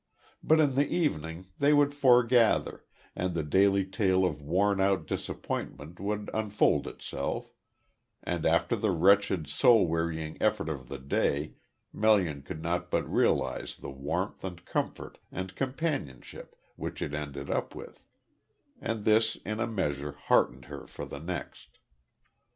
But in the evening they would foregather, and the daily tale of worn out disappointment would unfold itself, and after the wretched, soul wearying effort of the day Melian could not but realise the warmth and comfort and companionship which it ended up with; and this in a measure heartened her for the next.